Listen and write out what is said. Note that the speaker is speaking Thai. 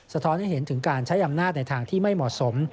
ท้อนให้เห็นถึงการใช้อำนาจในทางที่ไม่เหมาะสม